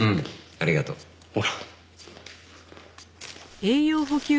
ありがとう。ほら。